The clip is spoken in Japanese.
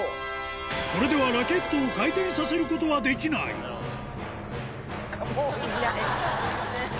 これではラケットを回転させることはできない。